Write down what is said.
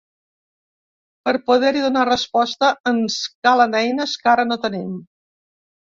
Per poder-hi donar resposta, ens calen eines que ara no tenim.